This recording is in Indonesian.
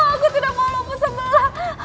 aku tidak mau lompat sebelah